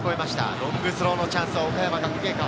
ロングスローのチャンスは岡山学芸館。